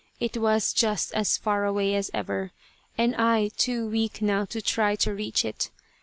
It was just as far away as ever, and I too weak now to try to reach it.